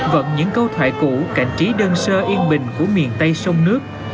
vận những câu thoại cũ cảnh trí đơn sơ yên bình của miền tây sông nước